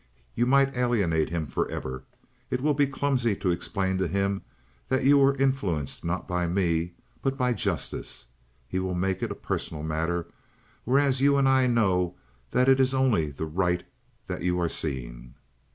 You might alienate him forever. It will be clumsy to explain to him that you were influenced not by me, but by justice. He will make it a personal matter, whereas you and I know that it is only the right that you are seeing."